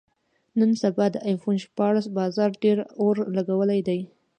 نن سبا د ایفون شپاړس بازار ډېر اور لګولی دی.